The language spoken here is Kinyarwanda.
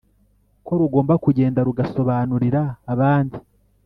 ko rugomba kugenda rugasobanurira abandi